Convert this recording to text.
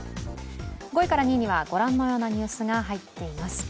５位から２位にはご覧のようなニュースが入っていとます。